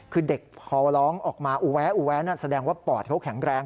คือเด็กพอร้องออกมาอูแว้อแสดงว่าปอดเขาแข็งแรง